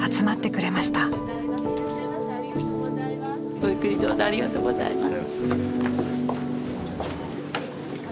ごゆっくりどうぞありがとうございます。